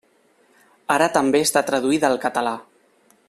Ara també està traduïda al català.